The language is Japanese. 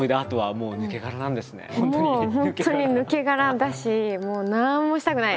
もう本当に抜け殻だしもう何もしたくない！みたいな。